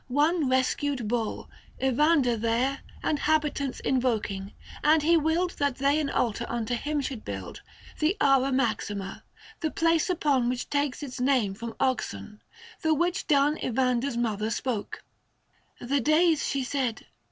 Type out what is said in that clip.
one rescued bull — Evander there And habitants invoking, — and he willed That they an altar unto him should build The Ara Maxima, the place upon Which takes its name from Oxen : the which done 620 Evander's mother spoke ;" The days," she said